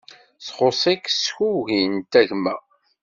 Txuṣ-ik tsugint a gma